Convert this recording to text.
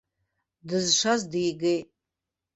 Дызшаз дигеит.